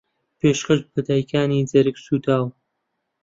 پێشکەشە بە دایکانی جەرگسووتاو